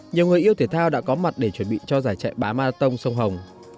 nhiều người yêu thể thao đã có mặt để chuẩn bị cho giải chạy bán marathon sông hồng